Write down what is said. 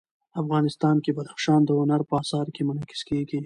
افغانستان کې بدخشان د هنر په اثار کې منعکس کېږي.